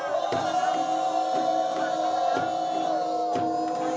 tadan akan menangkap tadan